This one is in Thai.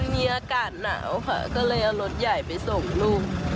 มีอากาศหนาวค่ะก็เลยเอารถใหญ่ไปส่งลูก